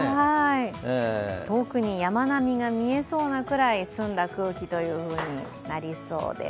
遠くに山並みが見えそうなくらい澄んだ空気になりそうです。